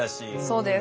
そうです。